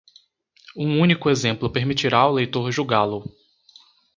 Um único exemplo permitirá ao leitor julgá-lo.